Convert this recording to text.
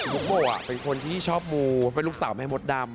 ลูกโบเป็นคนที่ชอบมูเป็นลูกสาวแม่มดดำ